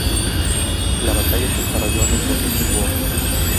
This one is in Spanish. La batalla se desarrolló en el Monte Gilboa.